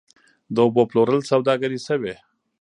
د اوبو پلورل سوداګري شوې؟